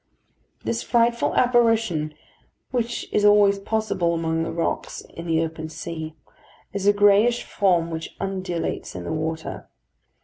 This frightful apparition, which is always possible among the rocks in the open sea, is a greyish form which undulates in the water.